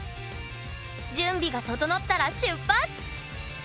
準備が整ったら出発！